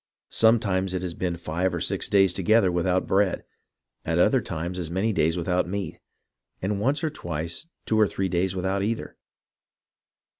Sometimes it has been five or six days together without bread, at other times as many days without meat, and once or twice two or three days without either.